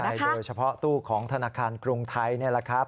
โดยเฉพาะตู้ของธนาคารกรุงไทยนี่แหละครับ